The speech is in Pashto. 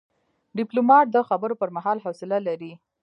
ډيپلومات د خبرو پر مهال حوصله لري.